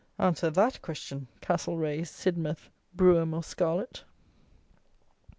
Answer that question, Castlereagh, Sidmouth, Brougham, or Scarlett.